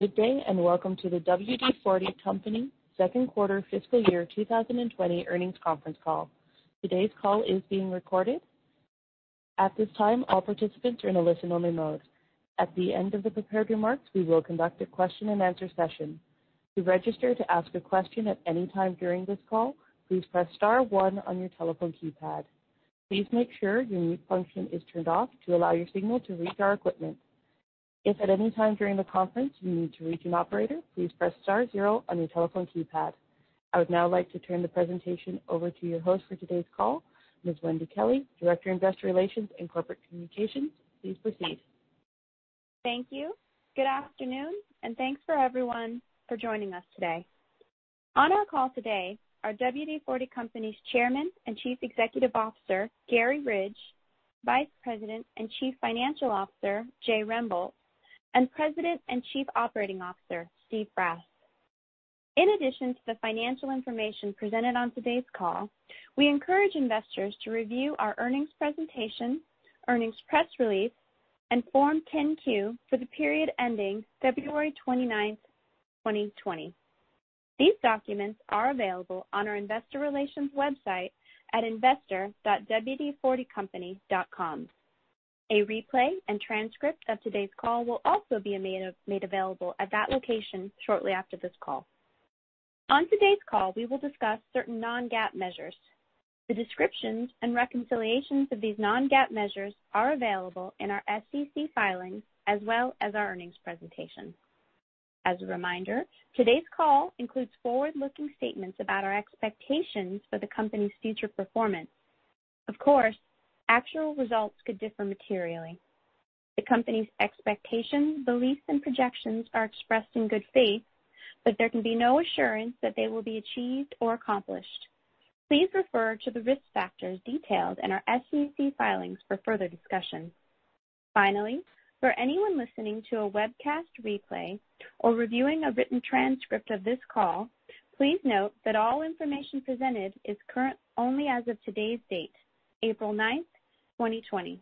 Good day, and welcome to the WD-40 Company second quarter fiscal year 2020 earnings conference call. Today's call is being recorded. At this time, all participants are in a listen-only mode. At the end of the prepared remarks, we will conduct a question and answer session. To register to ask a question at any time during this call, please press star one on your telephone keypad. Please make sure your mute function is turned off to allow your signal to reach our equipment. If at any time during the conference you need to reach an operator, please press star zero on your telephone keypad. I would now like to turn the presentation over to your host for today's call, Ms. Wendy Kelley, Director, Investor Relations and Corporate Communications. Please proceed. Thank you. Good afternoon, and thanks for everyone for joining us today. On our call today are WD-40 Company's Chairman and Chief Executive Officer, Garry Ridge, Vice President and Chief Financial Officer, Jay Rembolt, and President and Chief Operating Officer, Steve Brass. In addition to the financial information presented on today's call, we encourage investors to review our earnings presentation, earnings press release, and Form 10-Q for the period ending February 29th, 2020. These documents are available on our investor relations website at investor.wd40company.com. A replay and transcript of today's call will also be made available at that location shortly after this call. On today's call, we will discuss certain non-GAAP measures. The descriptions and reconciliations of these non-GAAP measures are available in our SEC filings as well as our earnings presentation. As a reminder, today's call includes forward-looking statements about our expectations for the company's future performance. Of course, actual results could differ materially. The company's expectations, beliefs, and projections are expressed in good faith, there can be no assurance that they will be achieved or accomplished. Please refer to the risk factors detailed in our SEC filings for further discussion. For anyone listening to a webcast replay or reviewing a written transcript of this call, please note that all information presented is current only as of today's date, April 9th, 2020.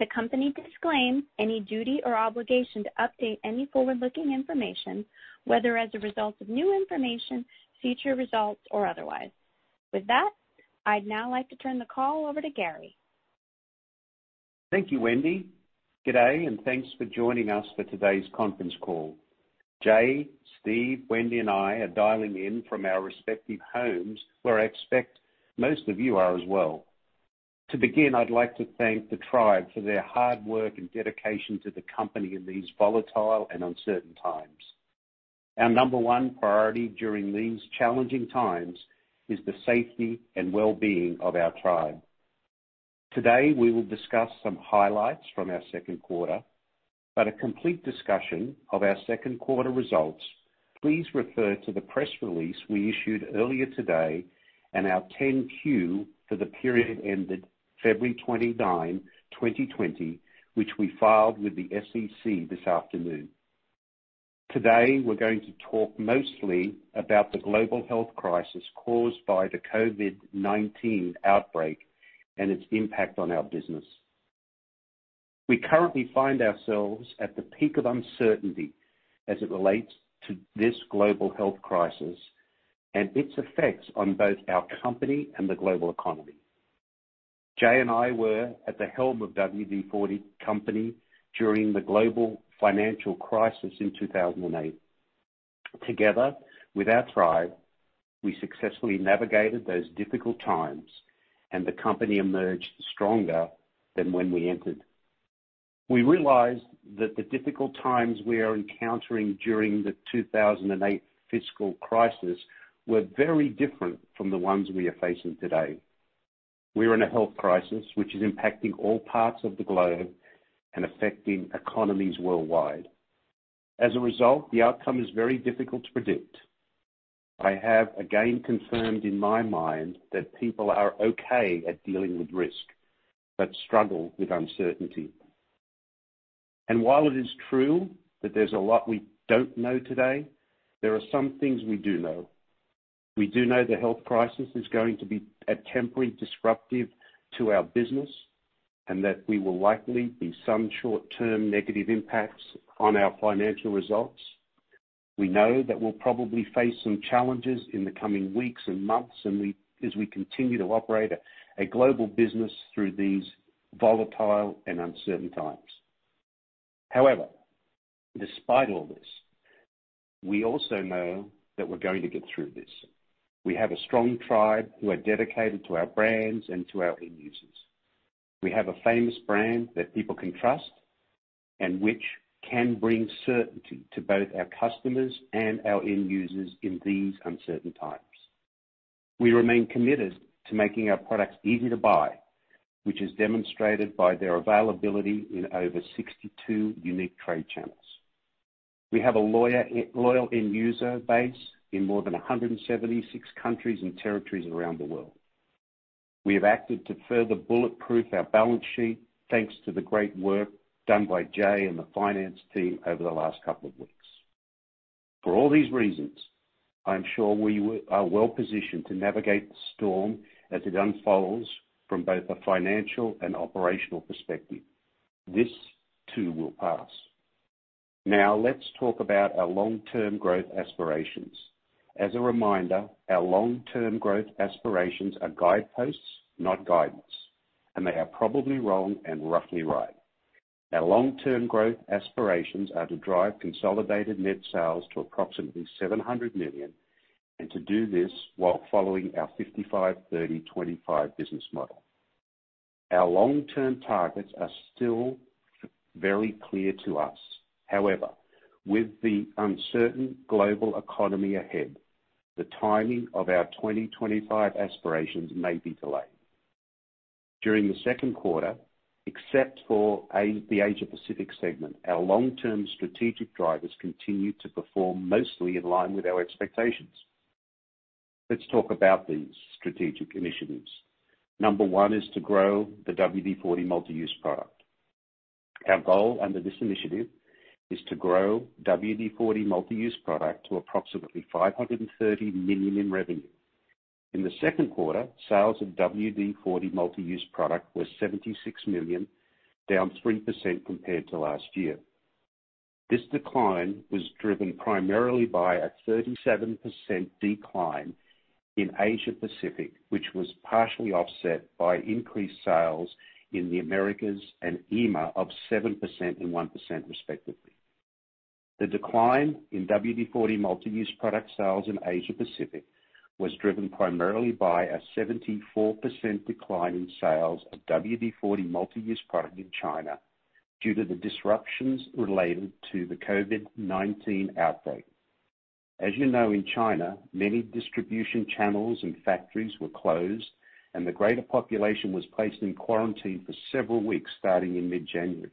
The company disclaims any duty or obligation to update any forward-looking information, whether as a result of new information, future results, or otherwise. With that, I'd now like to turn the call over to Garry. Thank you, Wendy. Good day, and thanks for joining us for today's conference call. Jay, Steve, Wendy, and I are dialing in from our respective homes, where I expect most of you are as well. To begin, I'd like to thank the Tribe for their hard work and dedication to the company in these volatile and uncertain times. Our number one priority during these challenging times is the safety and well-being of our Tribe. Today, we will discuss some highlights from our second quarter, a complete discussion of our second quarter results, please refer to the press release we issued earlier today and our 10-Q for the period ended February 29, 2020, which we filed with the SEC this afternoon. Today, we're going to talk mostly about the global health crisis caused by the COVID-19 outbreak and its impact on our business. We currently find ourselves at the peak of uncertainty as it relates to this global health crisis and its effects on both our company and the global economy. Jay and I were at the helm of WD-40 Company during the global financial crisis in 2008. Together with our Tribe, we successfully navigated those difficult times, and the company emerged stronger than when we entered. We realized that the difficult times we are encountering during the 2008 fiscal crisis were very different from the ones we are facing today. We are in a health crisis, which is impacting all parts of the globe and affecting economies worldwide. As a result, the outcome is very difficult to predict. I have again confirmed in my mind that people are okay at dealing with risk but struggle with uncertainty. While it is true that there's a lot we don't know today, there are some things we do know. We do know the health crisis is going to be temporarily disruptive to our business and that we will likely be some short-term negative impacts on our financial results. We know that we'll probably face some challenges in the coming weeks and months as we continue to operate a global business through these volatile and uncertain times. However, despite all this, we also know that we're going to get through this. We have a strong Tribe who are dedicated to our brands and to our end users. We have a famous brand that people can trust and which can bring certainty to both our customers and our end users in these uncertain times. We remain committed to making our products easy to buy, which is demonstrated by their availability in over 62 unique trade channels. We have a loyal end user base in more than 176 countries and territories around the world. We have acted to further bulletproof our balance sheet, thanks to the great work done by Jay and the finance team over the last couple of weeks. For all these reasons, I'm sure we are well-positioned to navigate the storm as it unfolds from both a financial and operational perspective. This too will pass. Now let's talk about our long-term growth aspirations. As a reminder, our long-term growth aspirations are guideposts, not guidance, and they are probably wrong and roughly right. Our long-term growth aspirations are to drive consolidated net sales to approximately $700 million, and to do this while following our 55/30/25 business model. Our long-term targets are still very clear to us. However, with the uncertain global economy ahead, the timing of our 2025 aspirations may be delayed. During the second quarter, except for the Asia Pacific segment, our long-term strategic drivers continued to perform mostly in line with our expectations. Let's talk about these strategic initiatives. Number one is to grow the WD-40 Multi-Use Product. Our goal under this initiative is to grow WD-40 Multi-Use Product to approximately $530 million in revenue. In the second quarter, sales of WD-40 Multi-Use Product were $76 million, down 3% compared to last year. This decline was driven primarily by a 37% decline in Asia Pacific, which was partially offset by increased sales in the Americas and EMEA of 7% and 1%, respectively. The decline in WD-40 Multi-Use Product sales in Asia Pacific was driven primarily by a 74% decline in sales of WD-40 Multi-Use Product in China due to the disruptions related to the COVID-19 outbreak. As you know, in China, many distribution channels and factories were closed, and the greater population was placed in quarantine for several weeks starting in mid-January.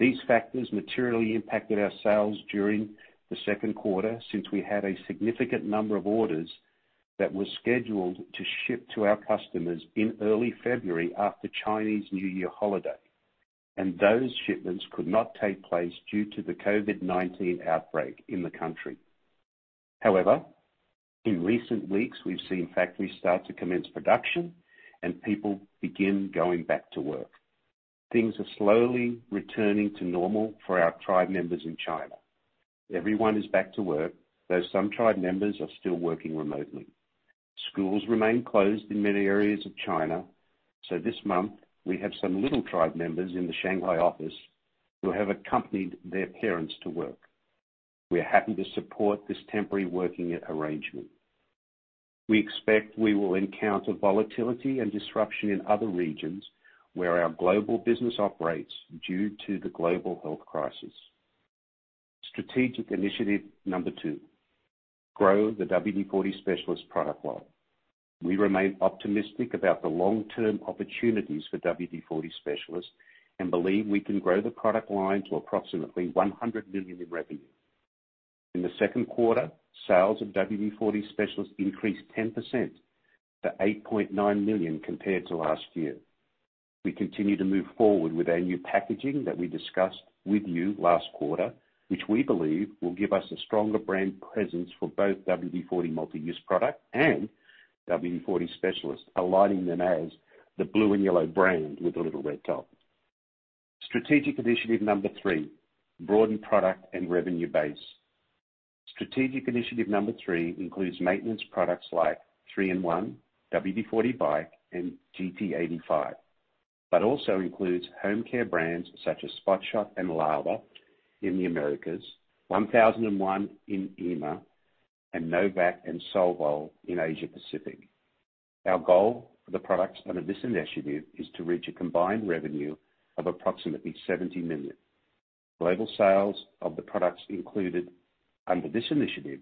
These factors materially impacted our sales during the second quarter since we had a significant number of orders that were scheduled to ship to our customers in early February after Chinese New Year holiday, and those shipments could not take place due to the COVID-19 outbreak in the country. However, in recent weeks, we've seen factories start to commence production and people begin going back to work. Things are slowly returning to normal for our tribe members in China. Everyone is back to work, though some tribe members are still working remotely. Schools remain closed in many areas of China, so this month we have some little tribe members in the Shanghai office who have accompanied their parents to work. We are happy to support this temporary working arrangement. We expect we will encounter volatility and disruption in other regions where our global business operates due to the global health crisis. Strategic initiative number two: grow the WD-40 Specialist product line. We remain optimistic about the long-term opportunities for WD-40 Specialist and believe we can grow the product line to approximately $100 million in revenue. In the second quarter, sales of WD-40 Specialist increased 10% to $8.9 million compared to last year. We continue to move forward with our new packaging that we discussed with you last quarter, which we believe will give us a stronger brand presence for both WD-40 Multi-Use Product and WD-40 Specialist, aligning them as the blue and yellow brand with a little red top. Strategic initiative number three: broaden product and revenue base. Strategic initiative number three includes maintenance products like 3-IN-ONE, WD-40 BIKE, and GT85, but also includes home care brands such as Spot Shot and Lava in the Americas, 1001 in EMEA, and no vac and Solvol in Asia Pacific. Our goal for the products under this initiative is to reach a combined revenue of approximately $70 million. Global sales of the products included under this initiative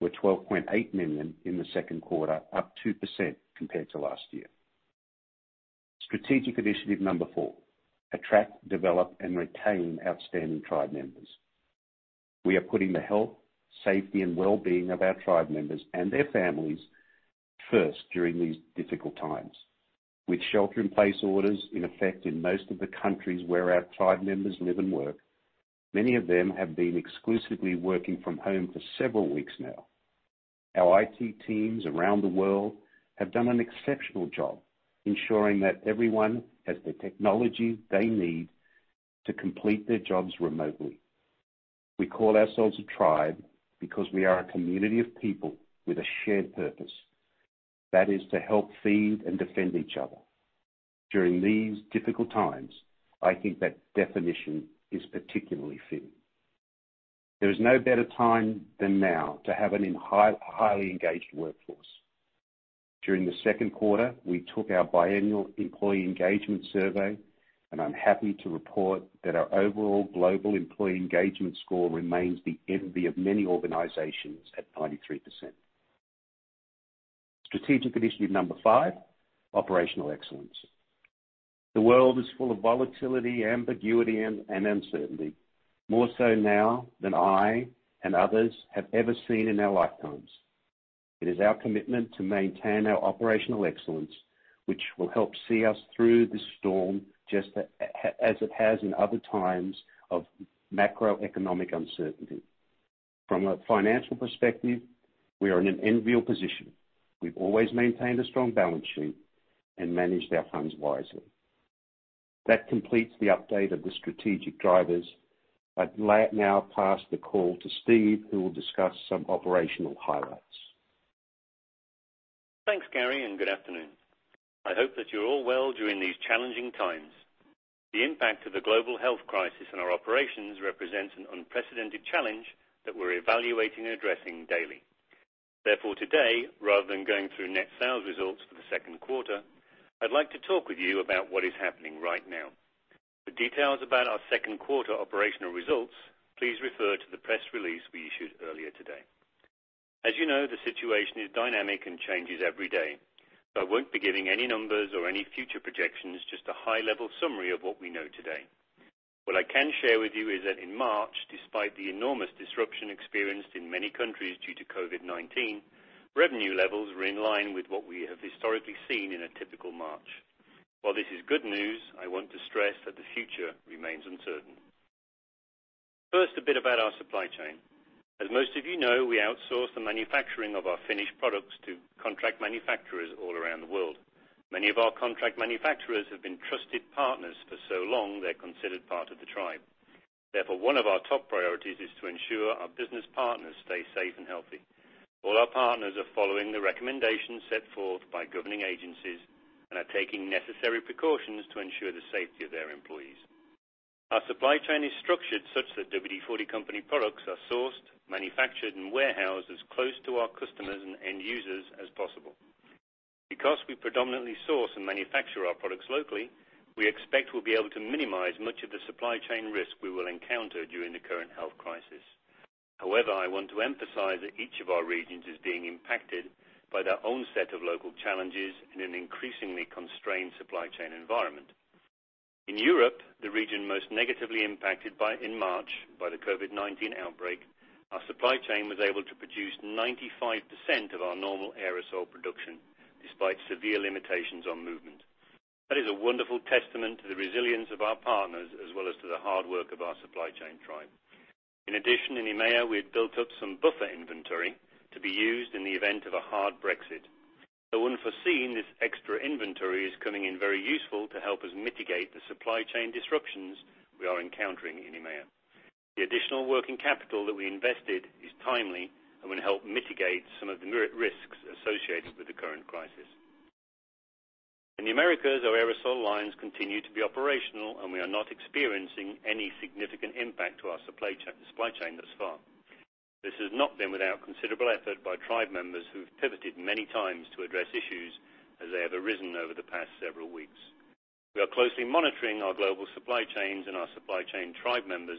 were $12.8 million in the second quarter, up 2% compared to last year. Strategic initiative number four: attract, develop, and retain outstanding tribe members. We are putting the health, safety, and well-being of our tribe members and their families first during these difficult times. With shelter-in-place orders in effect in most of the countries where our tribe members live and work, many of them have been exclusively working from home for several weeks now. Our IT teams around the world have done an exceptional job ensuring that everyone has the technology they need to complete their jobs remotely. We call ourselves a tribe because we are a community of people with a shared purpose. That is to help feed and defend each other. During these difficult times, I think that definition is particularly fitting. There is no better time than now to have a highly engaged workforce. During the second quarter, we took our biannual employee engagement survey, and I'm happy to report that our overall global employee engagement score remains the envy of many organizations at 93%. Strategic initiative number five: Operational Excellence. The world is full of volatility, ambiguity, and uncertainty, more so now than I and others have ever seen in our lifetimes. It is our commitment to maintain our operational excellence, which will help see us through this storm, just as it has in other times of macroeconomic uncertainty. From a financial perspective, we are in an enviable position. We've always maintained a strong balance sheet and managed our funds wisely. That completes the update of the strategic drivers. I'd now pass the call to Steve, who will discuss some operational highlights. Thanks, Garry. Good afternoon. I hope that you're all well during these challenging times. The impact of the global health crisis on our operations represents an unprecedented challenge that we're evaluating and addressing daily. Therefore, today, rather than going through net sales results for the second quarter, I'd like to talk with you about what is happening right now. For details about our second quarter operational results, please refer to the press release we issued earlier today. As you know, the situation is dynamic and changes every day. I won't be giving any numbers or any future projections, just a high-level summary of what we know today. What I can share with you is that in March, despite the enormous disruption experienced in many countries due to COVID-19, revenue levels were in line with what we have historically seen in a typical March. While this is good news, I want to stress that the future remains uncertain. First, a bit about our supply chain. As most of you know, we outsource the manufacturing of our finished products to contract manufacturers all around the world. Many of our contract manufacturers have been trusted partners for so long, they're considered part of the tribe. Therefore, one of our top priorities is to ensure our business partners stay safe and healthy. All our partners are following the recommendations set forth by governing agencies and are taking necessary precautions to ensure the safety of their employees. Our supply chain is structured such that WD-40 Company products are sourced, manufactured, and warehoused as close to our customers and end users as possible. Because we predominantly source and manufacture our products locally, we expect we'll be able to minimize much of the supply chain risk we will encounter during the current health crisis. However, I want to emphasize that each of our regions is being impacted by their own set of local challenges in an increasingly constrained supply chain environment. In Europe, the region most negatively impacted in March by the COVID-19 outbreak, our supply chain was able to produce 95% of our normal aerosol production despite severe limitations on movement. That is a wonderful testament to the resilience of our partners, as well as to the hard work of our supply chain tribe. In addition, in EMEA, we had built up some buffer inventory to be used in the event of a hard Brexit. Though unforeseen, this extra inventory is coming in very useful to help us mitigate the supply chain disruptions we are encountering in EMEA. The additional working capital that we invested is timely and will help mitigate some of the risks associated with the current crisis. In the Americas, our aerosol lines continue to be operational, and we are not experiencing any significant impact to our supply chain this far. This has not been without considerable effort by tribe members, who've pivoted many times to address issues as they have arisen over the past several weeks. We are closely monitoring our global supply chains, and our supply chain tribe members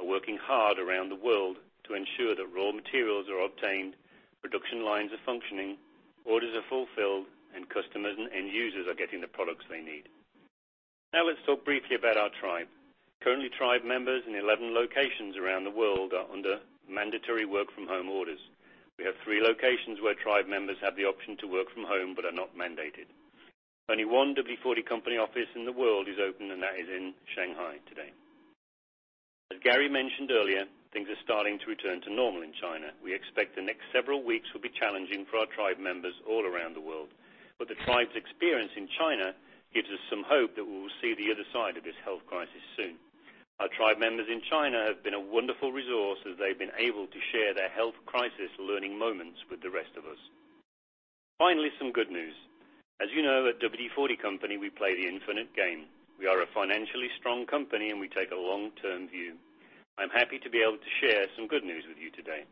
are working hard around the world to ensure that raw materials are obtained, production lines are functioning, orders are fulfilled, and customers and end users are getting the products they need. Now let's talk briefly about our tribe. Currently, tribe members in 11 locations around the world are under mandatory work-from-home orders. We have three locations where tribe members have the option to work from home but are not mandated. Only one WD-40 Company office in the world is open, and that is in Shanghai today. As Garry mentioned earlier, things are starting to return to normal in China. We expect the next several weeks will be challenging for our tribe members all around the world. The tribe's experience in China gives us some hope that we will see the other side of this health crisis soon. Our tribe members in China have been a wonderful resource as they've been able to share their health crisis learning moments with the rest of us. Finally, some good news. As you know, at WD-40 Company, we play the infinite game. We are a financially strong company, and we take a long-term view. I'm happy to be able to share some good news with you today.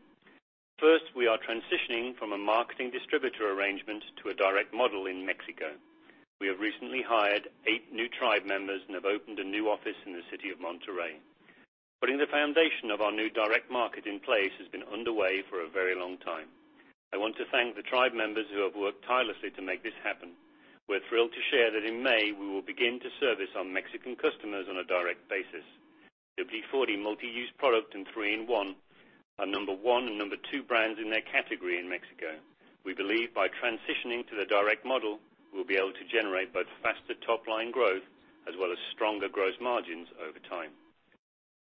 First, we are transitioning from a marketing distributor arrangement to a direct model in Mexico. We have recently hired eight new tribe members and have opened a new office in the city of Monterrey. Putting the foundation of our new direct market in place has been underway for a very long time. I want to thank the tribe members who have worked tirelessly to make this happen. We're thrilled to share that in May, we will begin to service our Mexican customers on a direct basis. WD-40 Multi-Use Product and 3-IN-ONE are number one and number two brands in their category in Mexico. We believe by transitioning to the direct model, we'll be able to generate both faster top-line growth as well as stronger gross margins over time.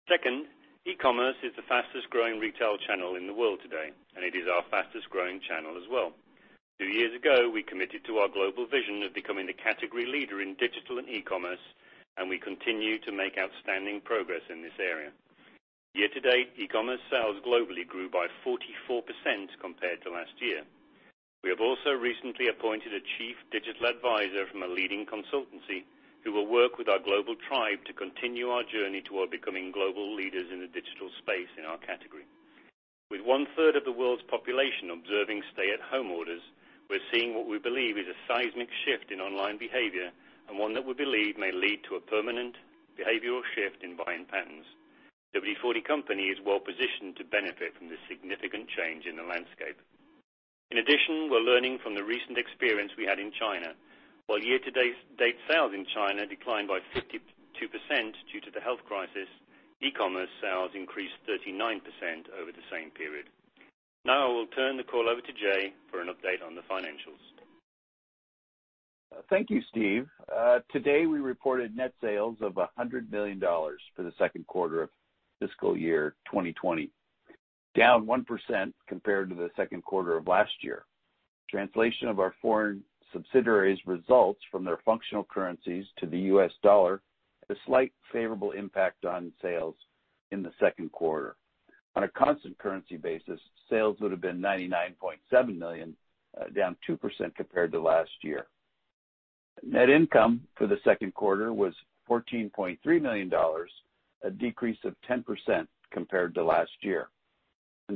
Second, e-commerce is the fastest-growing retail channel in the world today, and it is our fastest-growing channel as well. Two years ago, we committed to our global vision of becoming the category leader in digital and e-commerce, and we continue to make outstanding progress in this area. Year-to-date, e-commerce sales globally grew by 44% compared to last year. We have also recently appointed a chief digital advisor from a leading consultancy who will work with our global tribe to continue our journey toward becoming global leaders in the digital space in our category. With 1/3 of the world's population observing stay-at-home orders, we're seeing what we believe is a seismic shift in online behavior and one that we believe may lead to a permanent behavioral shift in buying patterns. WD-40 Company is well-positioned to benefit from this significant change in the landscape. In addition, we're learning from the recent experience we had in China. While year-to-date sales in China declined by 52% due to the health crisis, e-commerce sales increased 39% over the same period. Now I will turn the call over to Jay for an update on the financials. Thank you, Steve. Today, we reported net sales of $100 million for the second quarter of fiscal year 2020, down 1% compared to the second quarter of last year. Translation of our foreign subsidiaries results from their functional currencies to the U.S. dollar had a slight favorable impact on sales in the second quarter. On a constant currency basis, sales would have been $99.7 million, down 2% compared to last year.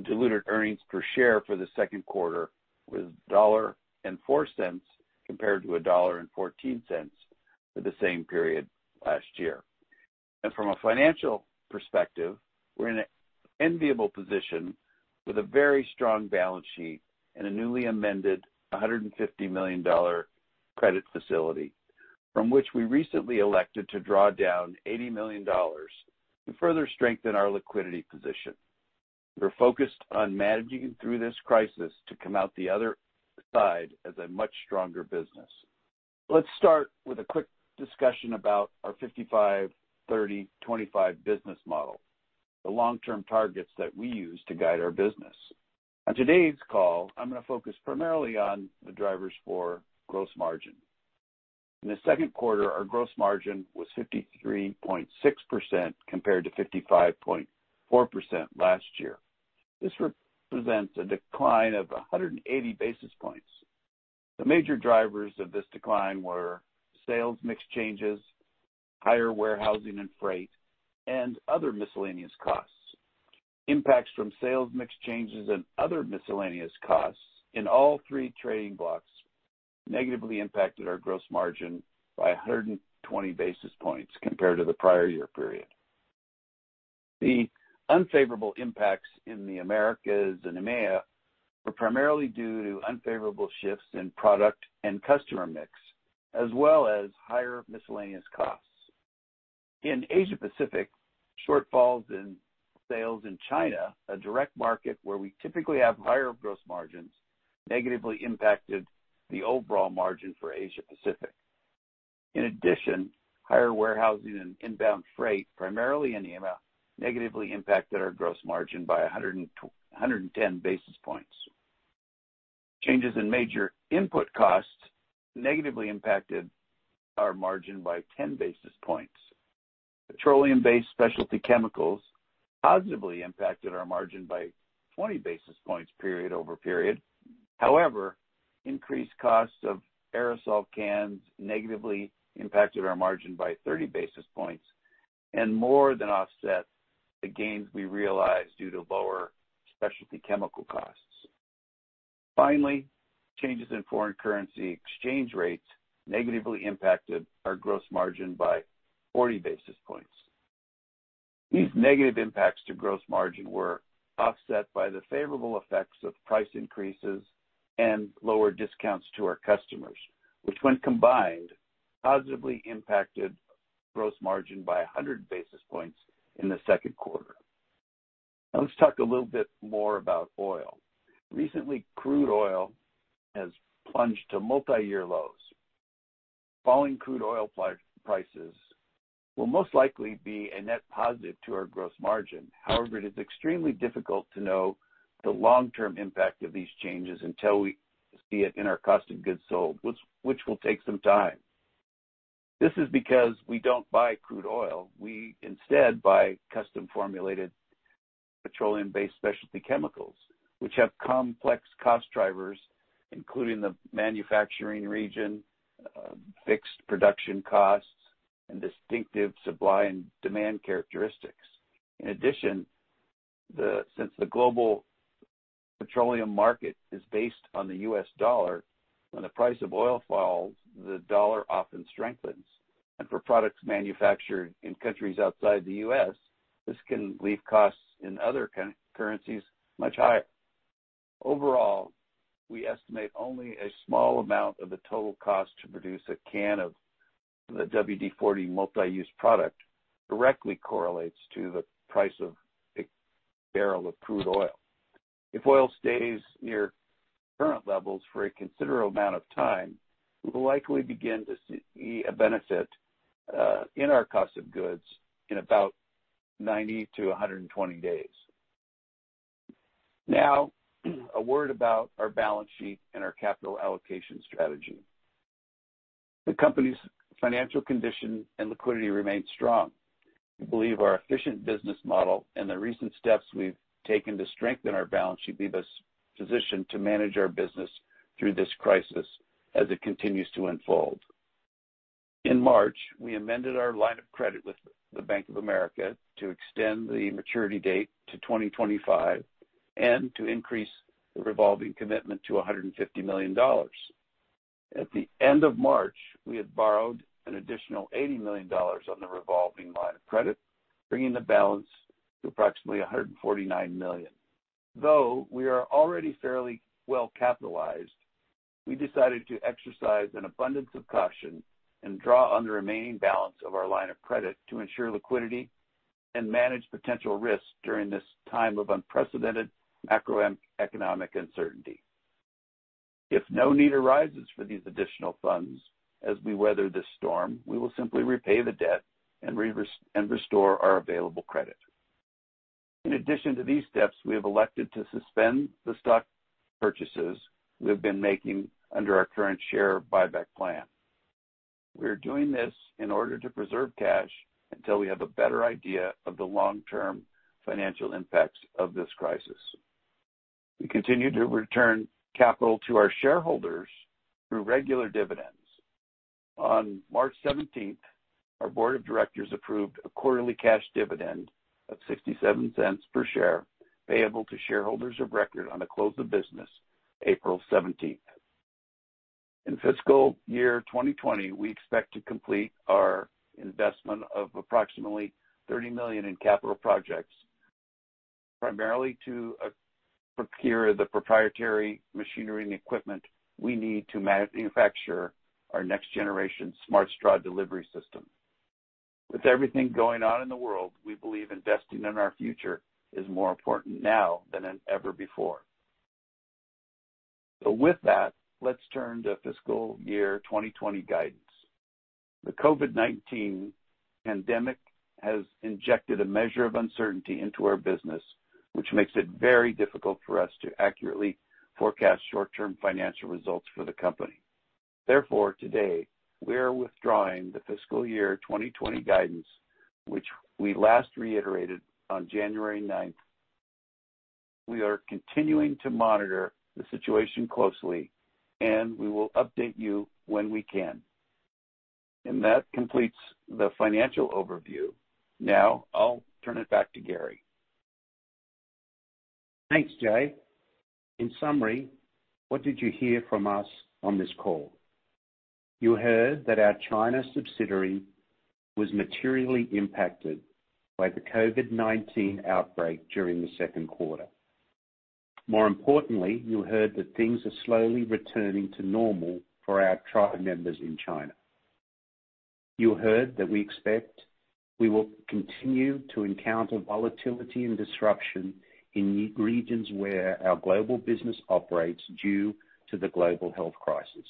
Diluted earnings per share for the second quarter was $1.04 compared to $1.14 for the same period last year. From a financial perspective, we're in an enviable position with a very strong balance sheet and a newly amended $150 million credit facility from which we recently elected to draw down $80 million to further strengthen our liquidity position. We're focused on managing through this crisis to come out the other side as a much stronger business. Let's start with a quick discussion about our 55/30/25 business model, the long-term targets that we use to guide our business. On today's call, I'm going to focus primarily on the drivers for gross margin. In the second quarter, our gross margin was 53.6% compared to 55.4% last year. This represents a decline of 180 basis points. The major drivers of this decline were sales mix changes, higher warehousing and freight, and other miscellaneous costs. Impacts from sales mix changes and other miscellaneous costs in all three trading blocks negatively impacted our gross margin by 120 basis points compared to the prior year period. The unfavorable impacts in the Americas and EMEA were primarily due to unfavorable shifts in product and customer mix, as well as higher miscellaneous costs. In Asia Pacific, shortfalls in sales in China, a direct market where we typically have higher gross margins, negatively impacted the overall margin for Asia Pacific. In addition, higher warehousing and inbound freight, primarily in EMEA, negatively impacted our gross margin by 110 basis points. Changes in major input costs negatively impacted our margin by 10 basis points. Petroleum-based specialty chemicals positively impacted our margin by 20 basis points period-over-period. However, increased costs of aerosol cans negatively impacted our margin by 30 basis points and more than offset the gains we realized due to lower specialty chemical costs. Finally, changes in foreign currency exchange rates negatively impacted our gross margin by 40 basis points. These negative impacts to gross margin were offset by the favorable effects of price increases and lower discounts to our customers, which, when combined, positively impacted gross margin by 100 basis points in the second quarter. Now let's talk a little bit more about oil. Recently, crude oil has plunged to multiyear lows. Falling crude oil prices will most likely be a net positive to our gross margin. However, it is extremely difficult to know the long-term impact of these changes until we see it in our cost of goods sold, which will take some time. This is because we don't buy crude oil. We instead buy custom-formulated petroleum-based specialty chemicals, which have complex cost drivers, including the manufacturing region, fixed production costs, and distinctive supply and demand characteristics. In addition, since the global petroleum market is based on the US dollar, when the price of oil falls, the dollar often strengthens. For products manufactured in countries outside the U.S., this can leave costs in other currencies much higher. Overall, we estimate only a small amount of the total cost to produce a can of the WD-40 Multi-Use Product directly correlates to the price of a barrel of crude oil. If oil stays near current levels for a considerable amount of time, we'll likely begin to see a benefit in our cost of goods in about 90-120 days. Now, a word about our balance sheet and our capital allocation strategy. The company's financial condition and liquidity remain strong. We believe our efficient business model and the recent steps we've taken to strengthen our balance sheet leave us positioned to manage our business through this crisis as it continues to unfold. In March, we amended our line of credit with the Bank of America to extend the maturity date to 2025 and to increase the revolving commitment to $150 million. At the end of March, we had borrowed an additional $80 million on the revolving line of credit, bringing the balance to approximately $149 million. Though we are already fairly well capitalized, we decided to exercise an abundance of caution and draw on the remaining balance of our line of credit to ensure liquidity and manage potential risks during this time of unprecedented macroeconomic uncertainty. If no need arises for these additional funds as we weather this storm, we will simply repay the debt and restore our available credit. In addition to these steps, we have elected to suspend the stock purchases we've been making under our current share buyback plan. We are doing this in order to preserve cash until we have a better idea of the long-term financial impacts of this crisis. We continue to return capital to our shareholders through regular dividends. On March 17th, our board of directors approved a quarterly cash dividend of $0.67 per share, payable to shareholders of record on the close of business April 17th. In fiscal year 2020, we expect to complete our investment of approximately $30 million in capital projects, primarily to procure the proprietary machinery and equipment we need to manufacture our next generation Smart Straw delivery system. With everything going on in the world, we believe investing in our future is more important now than ever before. With that, let's turn to fiscal year 2020 guidance. The COVID-19 pandemic has injected a measure of uncertainty into our business, which makes it very difficult for us to accurately forecast short-term financial results for the company. Therefore, today, we are withdrawing the fiscal year 2020 guidance, which we last reiterated on January 9th. We are continuing to monitor the situation closely, and we will update you when we can. That completes the financial overview. Now, I'll turn it back to Garry. Thanks, Jay. In summary, what did you hear from us on this call? You heard that our China subsidiary was materially impacted by the COVID-19 outbreak during the second quarter. More importantly, you heard that things are slowly returning to normal for our tribe members in China. You heard that we expect we will continue to encounter volatility and disruption in regions where our global business operates due to the global health crisis.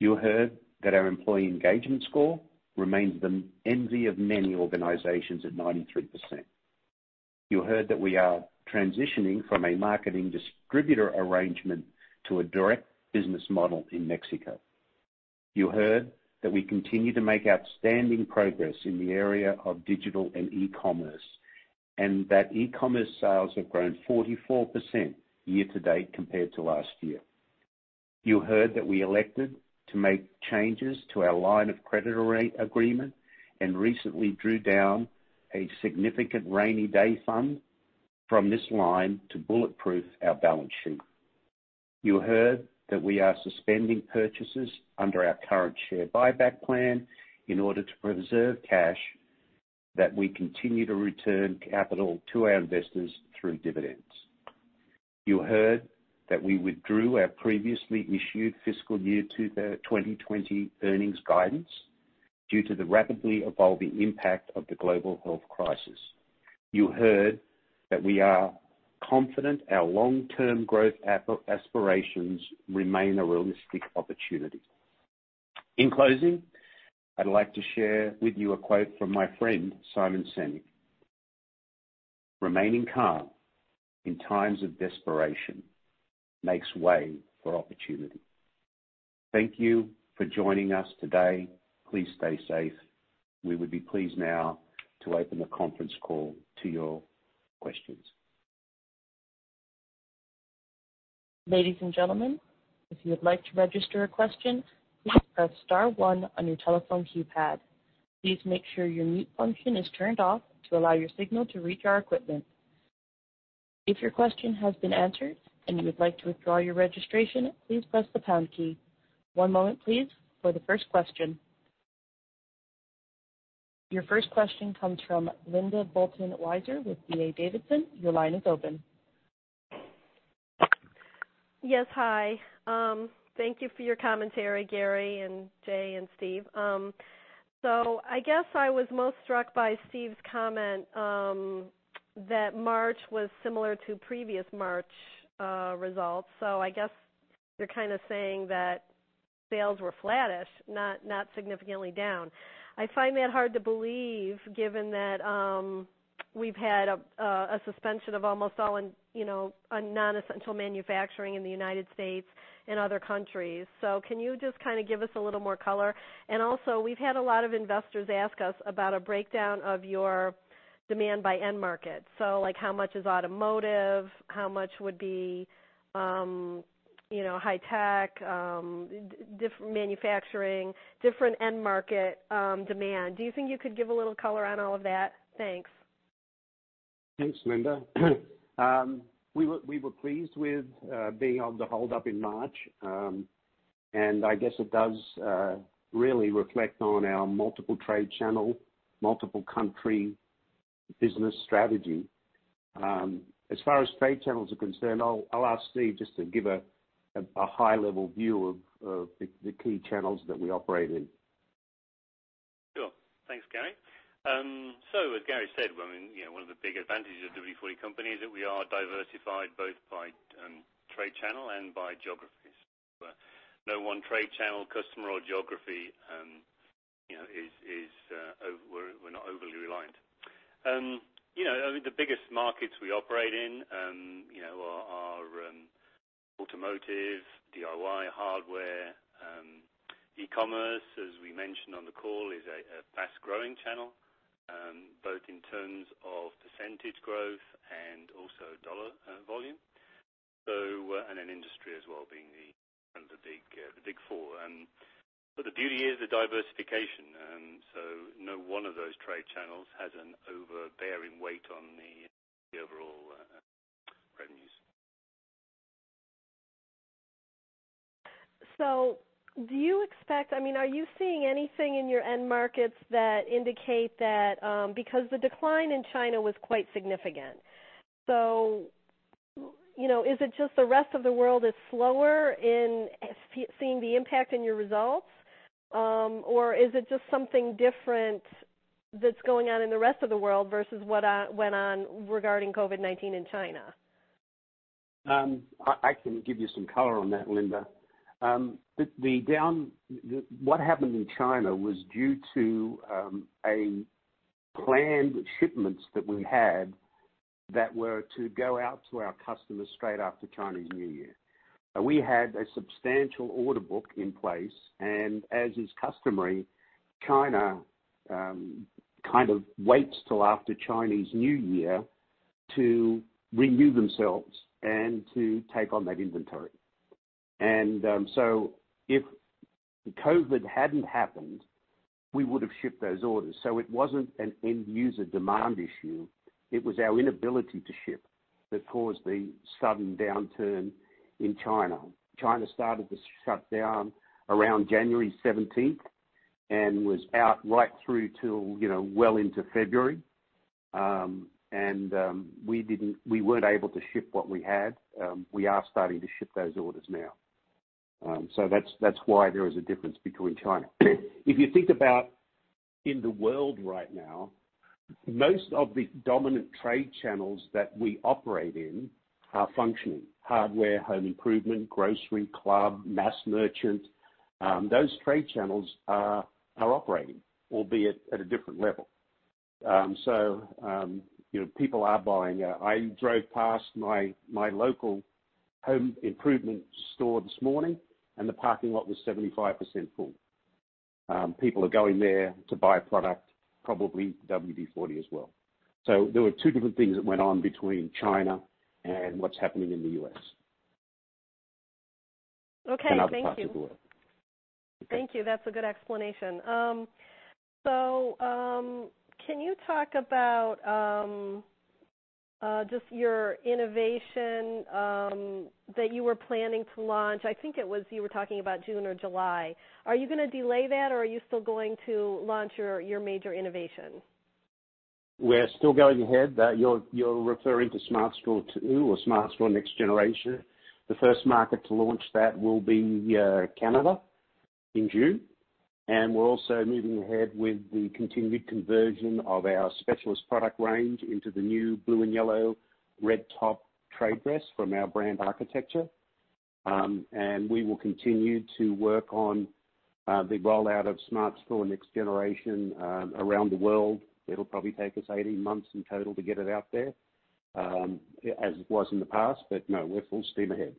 You heard that our employee engagement score remains the envy of many organizations at 93%. You heard that we are transitioning from a marketing distributor arrangement to a direct business model in Mexico. You heard that we continue to make outstanding progress in the area of digital and e-commerce, and that e-commerce sales have grown 44% year to date compared to last year. You heard that we elected to make changes to our line of credit agreement and recently drew down a significant rainy day fund from this line to bulletproof our balance sheet. You heard that we are suspending purchases under our current share buyback plan in order to preserve cash, that we continue to return capital to our investors through dividends. You heard that we withdrew our previously issued fiscal year 2020 earnings guidance due to the rapidly evolving impact of the global health crisis. You heard that we are confident our long-term growth aspirations remain a realistic opportunity. In closing, I'd like to share with you a quote from my friend Simon Sinek. "Remaining calm in times of desperation makes way for opportunity." Thank you for joining us today. Please stay safe. We would be pleased now to open the conference call to your questions. Ladies and gentlemen, if you would like to register a question, please press star one on your telephone keypad. Please make sure your mute function is turned off to allow your signal to reach our equipment. If your question has been answered and you would like to withdraw your registration, please press the pound key. One moment, please, for the first question. Your first question comes from Linda Bolton Weiser with D.A. Davidson. Your line is open. Yes. Hi. Thank you for your commentary, Garry and Jay and Steve. I guess I was most struck by Steve's comment that March was similar to previous March results. I guess you're kind of saying that sales were flattish, not significantly down. I find that hard to believe given that we've had a suspension of almost all non-essential manufacturing in the United States and other countries. Can you just give us a little more color? Also, we've had a lot of investors ask us about a breakdown of your demand by end market. Like how much is automotive, how much would be high tech, different manufacturing, different end market demand. Do you think you could give a little color on all of that? Thanks. Thanks, Linda. We were pleased with being able to hold up in March. I guess it does really reflect on our multiple trade channel, multiple country business strategy. As far as trade channels are concerned, I'll ask Steve just to give a high-level view of the key channels that we operate in. Sure. Thanks, Garry. As Garry said, one of the big advantages of WD-40 Company is that we are diversified both by trade channel and by geographies. No one trade channel, customer, or geography, we're not overly reliant. The biggest markets we operate in are automotive, DIY, hardware. E-commerce, as we mentioned on the call, is a fast-growing channel, both in terms of percentage growth and also dollar volume, and in industry as well, being the big four. The beauty is the diversification. No one of those trade channels has an overbearing weight on the overall revenues. Are you seeing anything in your end markets that indicate that? Because the decline in China was quite significant. Is it just the rest of the world is slower in seeing the impact in your results? Is it just something different that's going on in the rest of the world versus what went on regarding COVID-19 in China? I can give you some color on that, Linda. What happened in China was due to planned shipments that we had that were to go out to our customers straight after Chinese New Year. We had a substantial order book in place, and as is customary, China kind of waits till after Chinese New Year to renew themselves and to take on that inventory. If the COVID hadn't happened, we would have shipped those orders. It wasn't an end-user demand issue. It was our inability to ship that caused the sudden downturn in China. China started to shut down around January 17th and was out right through till well into February. We weren't able to ship what we had. We are starting to ship those orders now. That's why there is a difference between China. If you think about in the world right now, most of the dominant trade channels that we operate in are functioning. Hardware, home improvement, grocery, club, mass merchant. Those trade channels are operating, albeit at a different level. People are buying. I drove past my local home improvement store this morning, and the parking lot was 75% full. People are going there to buy product, probably WD-40 as well. There were two different things that went on between China and what's happening in the U.S. Okay, thank you. Other parts of the world. Thank you. That's a good explanation. Can you talk about just your innovation that you were planning to launch? I think it was you were talking about June or July. Are you going to delay that, or are you still going to launch your major innovation? We're still going ahead. You're referring to Smart Straw 2 or Smart Straw next generation. The first market to launch that will be Canada in June. We're also moving ahead with the continued conversion of our specialist product range into the new blue and yellow, red top trade dress from our brand architecture. We will continue to work on the rollout of Smart Straw next generation around the world. It'll probably take us 18 months in total to get it out there, as it was in the past, but no, we're full steam ahead.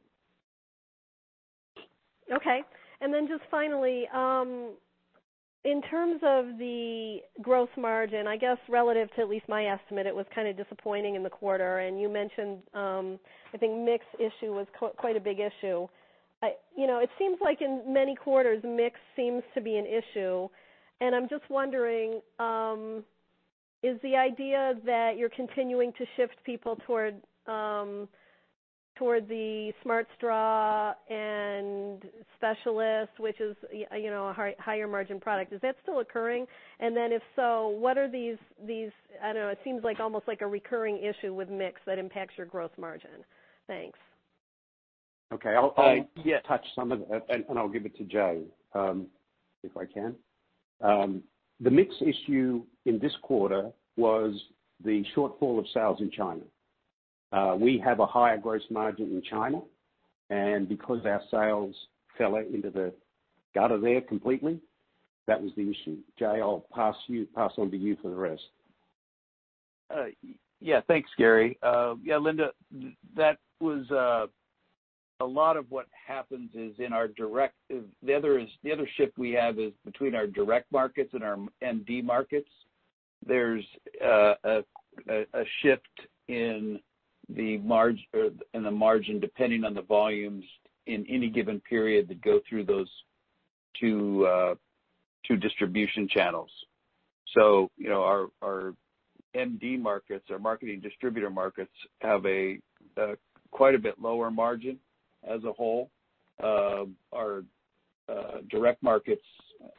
Okay. just finally, in terms of the gross margin, I guess relative to at least my estimate, it was kind of disappointing in the quarter. You mentioned, I think mix issue was quite a big issue. It seems like in many quarters, mix seems to be an issue. I'm just wondering, is the idea that you're continuing to shift people toward the Smart Straw and Specialist, which is a higher margin product, is that still occurring? If so, what are these, I don't know, it seems like almost like a recurring issue with mix that impacts your gross margin. Thanks. Okay. I'll give it to Jay, if I can. The mix issue in this quarter was the shortfall of sales in China. We have a higher gross margin in China, and because our sales fell out into the gutter there completely, that was the issue. Jay, I'll pass on to you for the rest. Yeah. Thanks, Garry. Yeah, Linda, that was a lot of what happens is the other shift we have is between our direct markets and MD markets. There's a shift in the margin, depending on the volumes in any given period that go through those distribution channels. Our MD markets, our marketing distributor markets, have a quite a bit lower margin as a whole. Our direct markets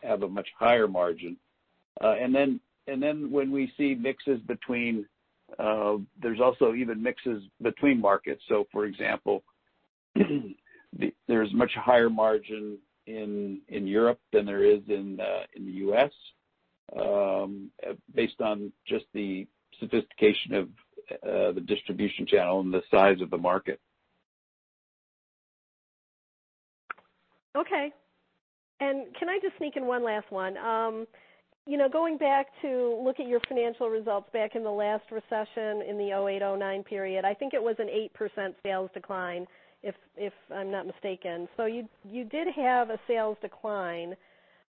have a much higher margin. There's also even mixes between markets. For example, there's much higher margin in Europe than there is in the U.S., based on just the sophistication of the distribution channel and the size of the market. Okay. Can I just sneak in one last one? Going back to look at your financial results back in the last recession in the 2008, 2009 period, I think it was an 8% sales decline, if I'm not mistaken. You did have a sales decline.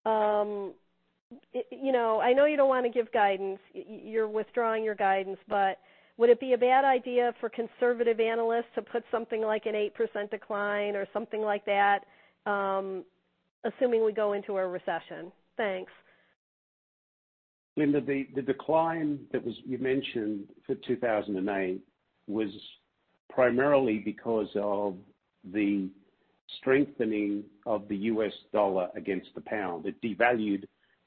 I know you don't want to give guidance. You're withdrawing your guidance, but would it be a bad idea for conservative analysts to put something like an 8% decline or something like that, assuming we go into a recession? Thanks. Linda, the decline that you mentioned for 2009 was primarily because of the strengthening of the U.S. dollar against the pound. It devalued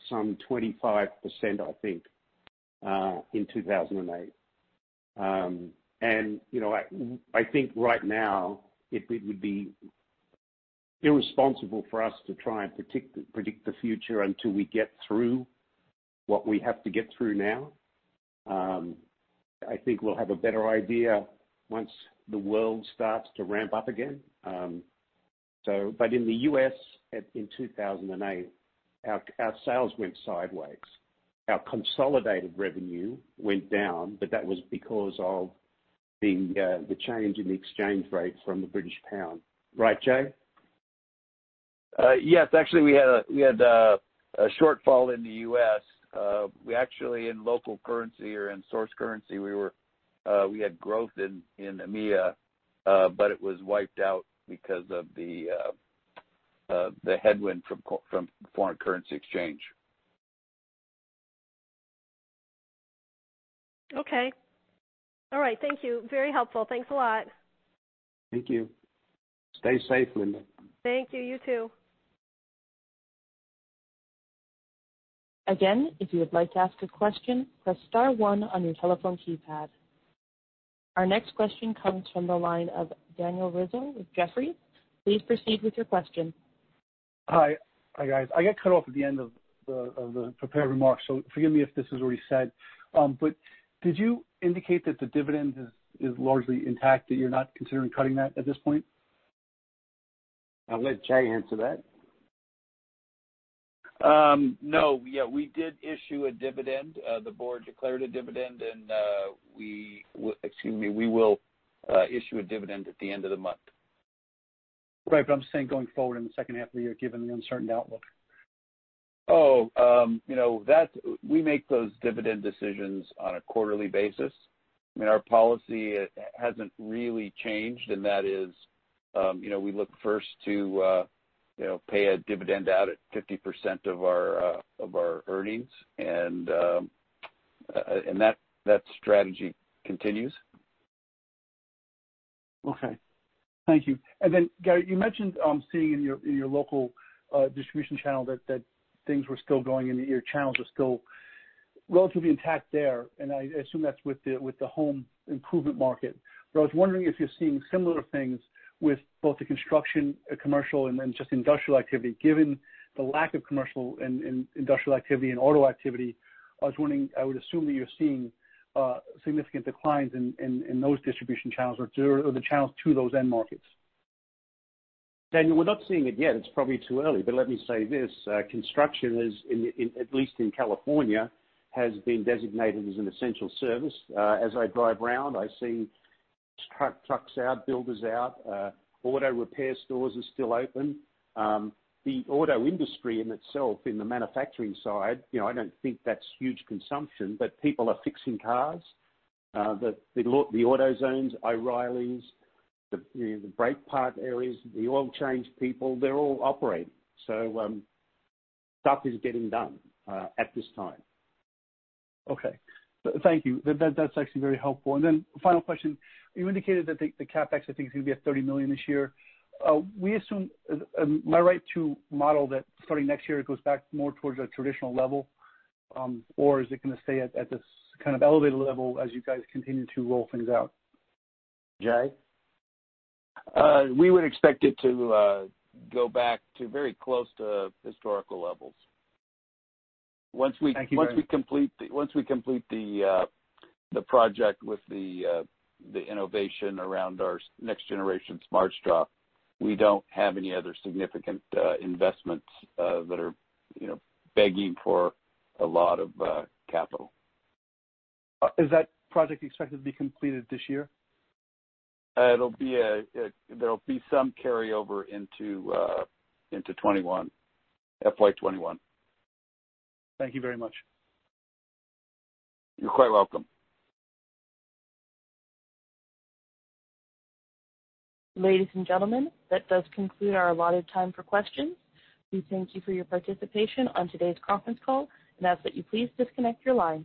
some 25%, I think, in 2008. I think right now it would be irresponsible for us to try and predict the future until we get through what we have to get through now. I think we'll have a better idea once the world starts to ramp up again. In the U.S. in 2008, our sales went sideways. Our consolidated revenue went down, but that was because of the change in the exchange rate from the British pound. Right, Jay? Yes. Actually, we had a shortfall in the U.S. We actually, in local currency or in source currency, we had growth in EMEA, but it was wiped out because of the headwind from foreign currency exchange. Okay. All right. Thank you. Very helpful. Thanks a lot. Thank you. Stay safe, Linda. Thank you. You too. Again, if you would like to ask a question, press star one on your telephone keypad. Our next question comes from the line of Daniel Rizzo with Jefferies. Please proceed with your question. Hi. Hi, guys. I got cut off at the end of the prepared remarks, so forgive me if this was already said. Did you indicate that the dividend is largely intact, that you're not considering cutting that at this point? I'll let Jay answer that. No. Yeah, we did issue a dividend. The board declared a dividend, and we will issue a dividend at the end of the month. Right. I'm saying going forward in the second half of the year, given the uncertain outlook. Oh. We make those dividend decisions on a quarterly basis, and our policy hasn't really changed, and that is, we look first to pay a dividend out at 50% of our earnings. That strategy continues. Okay. Thank you. Garry, you mentioned seeing in your local distribution channel that things were still going and your channels are still relatively intact there, and I assume that's with the home improvement market. I was wondering if you're seeing similar things with both the construction, commercial, and just industrial activity, given the lack of commercial and industrial activity and auto activity. I was wondering, I would assume that you're seeing significant declines in those distribution channels or the channels to those end markets. Daniel, we're not seeing it yet. It's probably too early. Let me say this. Construction, at least in California, has been designated as an essential service. As I drive around, I see trucks out, builders out. Auto repair stores are still open. The auto industry in itself, in the manufacturing side, I don't think that's huge consumption, but people are fixing cars. The AutoZones, O'Reilly's, the brake part areas, the oil change people, they're all operating. Stuff is getting done at this time. Okay. Thank you. That's actually very helpful. final question. You indicated that the CapEx, I think, is going to be at $30 million this year. Am I right to model that starting next year, it goes back more towards a traditional level? is it going to stay at this kind of elevated level as you guys continue to roll things out? Jay? We would expect it to go back to very close to historical levels. Thank you very much. Once we complete the project with the innovation around our next generation Smart Straw, we don't have any other significant investments that are begging for a lot of capital. Is that project expected to be completed this year? There'll be some carryover into FY 2021. Thank you very much. You're quite welcome. Ladies and gentlemen, that does conclude our allotted time for questions. We thank you for your participation on today's conference call and ask that you please disconnect your lines.